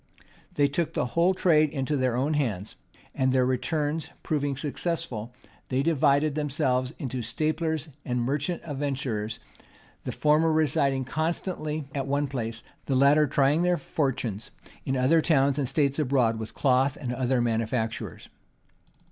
They took the whole trade into their own hands; and their returns proving successful, they divided themselves into staplers and merchant adventurers; the former residing constantly at one place, the latter trying their fortunes in other towns and states abroad with cloth and other manufactures.